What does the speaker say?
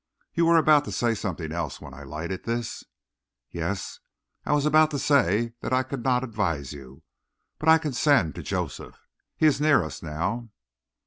"You were about to say something else when I lighted this." "Yes, I was about to say that I could not advise you, but I can send to Joseph. He is near us now."